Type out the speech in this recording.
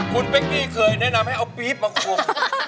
คุณเป๊กกี้เคยแนะนำให้เอาปี๊บมาคุม